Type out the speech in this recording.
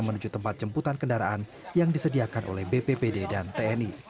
menuju tempat jemputan kendaraan yang disediakan oleh bppd dan tni